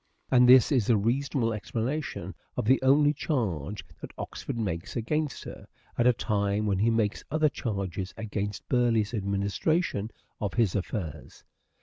And this is a reasonable explanation of the only charge that Oxford makes against her, at a time when he makes other charges against Burleigh's administration of his affairs.